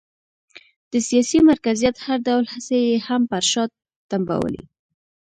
د سیاسي مرکزیت هر ډول هڅې یې هم پر شا تمبولې.